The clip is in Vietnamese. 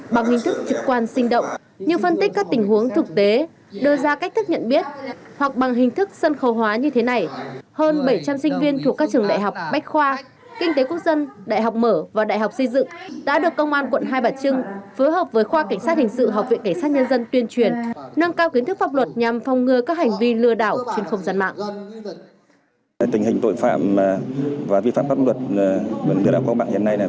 bằng hình thức trực quan sinh động như phân tích các tình huống thực tế đưa ra cách thức nhận biết hoặc bằng hình thức sân khấu hóa như thế này hơn bảy trăm linh sinh viên thuộc các trường đại học bách khoa kinh tế quốc dân đại học mở và đại học xây dựng đã được công an quận hai bà trưng phối hợp với khoa cảnh sát hình sự học viện cảnh sát nhân dân tuyên truyền nâng cao kiến thức pháp luật nhằm phòng ngừa các hành vi lừa đảo trên không gian mạng